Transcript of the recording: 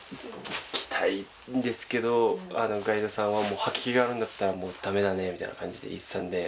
行きたいんですけど、ガイドさんはもう吐き気があるんだったら、もうだめだねみたいな感じで言ってたんで。